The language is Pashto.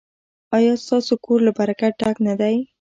ایا ستاسو کور له برکت ډک نه دی؟